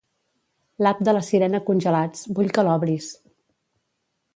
L'app de La Sirena Congelats, vull que l'obris.